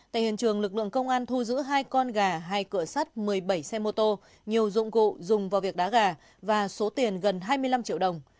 tại hiện trường lực lượng công an thu giữ hai con gà hai cửa sắt một mươi bảy xe mô tô nhiều dụng cụ dùng vào việc đá gà và số tiền gần hai mươi năm triệu đồng